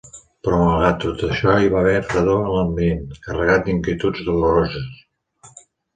Però malgrat tot això hi va haver fredor en l'ambient, carregat d'inquietuds doloroses.